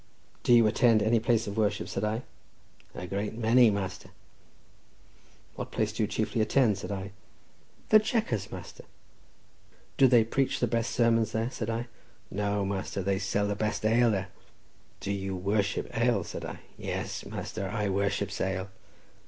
"Do you attend any place of worship?" said I. "A great many, master!" "What place do you chiefly attend?" said I. "The Chequers, master!" "Do they preach the best sermons there?" said I. "No, master! but they sells the best ale there." "Do you worship ale?" said I. "Yes, master; I worships ale."